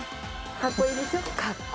かっこいいです。